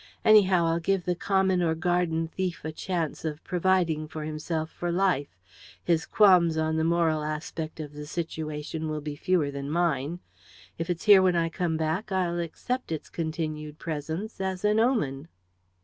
Anyhow, I'll give the common or garden thief a chance of providing for himself for life; his qualms on the moral aspect of the situation will be fewer than mine. If it's here when I come back I'll accept its continued presence as an omen."